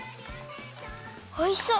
おいしそう！